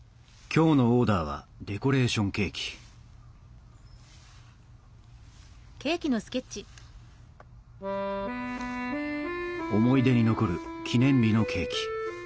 今日のオーダーはデコレーションケーキ思い出に残る記念日のケーキ。